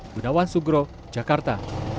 budawan sugro jakarta